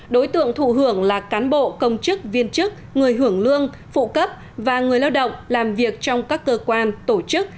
đối tượng thụ hưởng là cán bộ công chức viên chức người hưởng lương phụ cấp và người lao động làm việc trong các cơ quan tổ chức